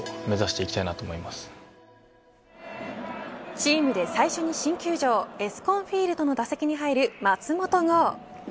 チームで最初に新球場エスコンフィールドの打席に入る松本剛。